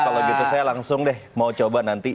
kalau gitu saya langsung deh mau coba nanti